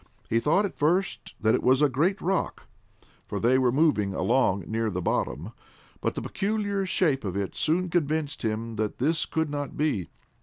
He thought at first that it was a great rock, for they were moving along near the bottom, but the peculiar shape of it soon convinced him that this could not be.